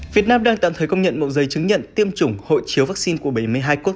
việt nam đang tạm thời công nhận bộ giấy chứng nhận tiêm chủng hộ chiếu vaccine của bảy mươi hai quốc